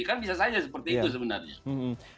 kan bisa saja seperti itu sebenarnya